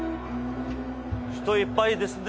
人いっぱいですね。